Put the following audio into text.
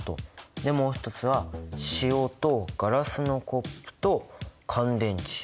でもう一つは塩とガラスのコップと乾電池。